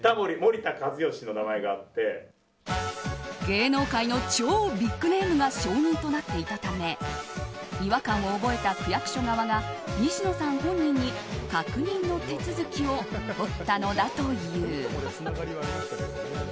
芸能界の超ビッグネームが証人となっていたため違和感を覚えた区役所側が西野さんの本人に確認の手続きを取ったのだという。